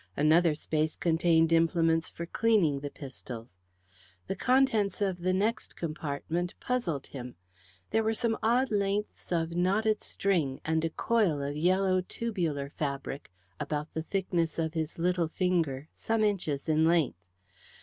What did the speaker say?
Another space contained implements for cleaning the pistols. The contents of the next compartment puzzled him. There were some odd lengths of knotted string, and a coil of yellow tubular fabric, about the thickness of his little finger, some inches in length.